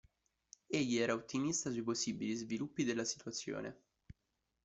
Egli era ottimista sui possibili sviluppi della situazione.